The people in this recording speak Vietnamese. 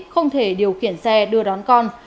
không thể điều khiển xe đưa đón con